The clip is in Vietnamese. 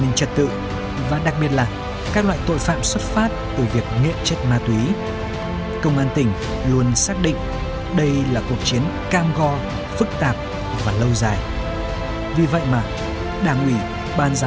nguyên nhân chủ quan để